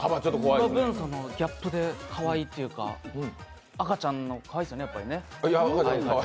その分ギャップでかわいいというか赤ちゃん、かわいいですよね、やっぱね。